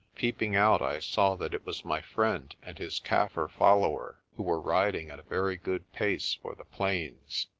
Peeping out I saw that it was my friend and his Kaffir follower, who were riding at a very good pace for the plains.